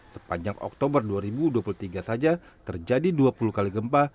sepanjang oktober dua ribu dua puluh tiga saja terjadi dua puluh kali gempa